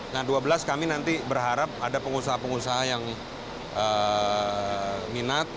nah dua belas kami nanti berharap ada pengusaha pengusaha yang minat